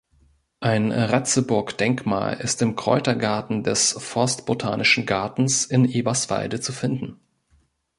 Ein Ratzeburg-Denkmal ist im Kräutergarten des Forstbotanischen Gartens in Eberswalde zu finden.